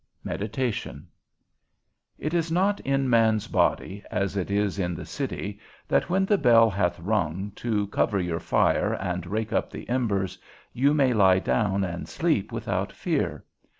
_ XXIII. MEDITATION. It is not in man's body, as it is in the city, that when the bell hath rung, to cover your fire, and rake up the embers, you may lie down and sleep without fear.